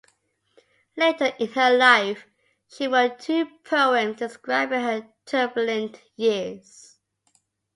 Later in her life, she wrote two poems describing her turbulent years.